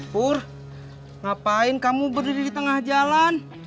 pur ngapain kamu berdiri di tengah jalan